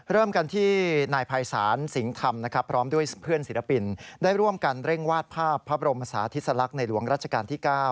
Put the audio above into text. เริ่มกันที่นายภัยศาลสิงห์ธรรมนะครับพร้อมด้วยเพื่อนศิลปินได้ร่วมกันเร่งวาดภาพพระบรมศาธิสลักษณ์ในหลวงรัชกาลที่๙